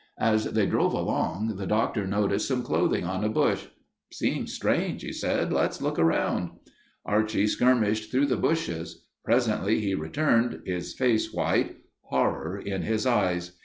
As they drove along, the Doctor noticed some clothing on a bush. "Seems strange," he said. "Let's look around." Archie skirmished through the bushes. Presently he returned, his face white, horror in his eyes.